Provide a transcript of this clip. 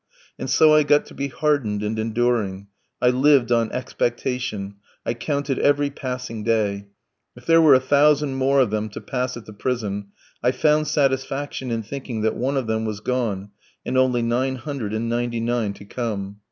And so I got to be hardened and enduring; I lived on expectation, I counted every passing day; if there were a thousand more of them to pass at the prison I found satisfaction in thinking that one of them was gone, and only nine hundred and ninety nine to come.